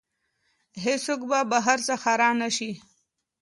هیڅوک به بهر څخه را نه شي.